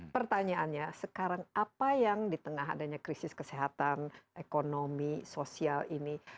pertanyaannya sekarang apa yang di tengah adanya krisis kesehatan ekonomi sosial ini